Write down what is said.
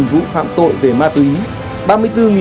hai mươi vụ phạm tội về ma túy